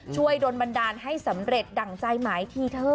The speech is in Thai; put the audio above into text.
โดนบันดาลให้สำเร็จดั่งใจหมายทีเถอะ